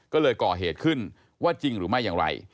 ก็เลยก่อเหตุขึ้นว่าจริงหรือไม่อย่างไร